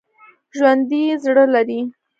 ژوندي زړه لري